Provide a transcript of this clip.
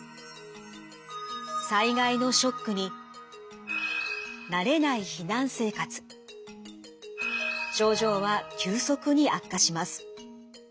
災害のショックに慣れない避難生活症状は急速に悪化します。